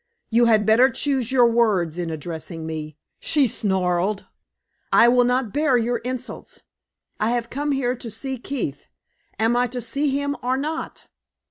"You had better choose your words in addressing me!" she snarled. "I will not bear your insults. I have come here to see Keith. Am I to see him or not?"